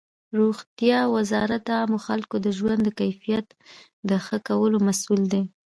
روغتیا وزارت د عامو خلکو د ژوند د کیفیت د ښه کولو مسؤل دی.